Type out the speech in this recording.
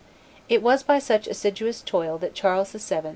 It was by such assiduous toil that Charles VII.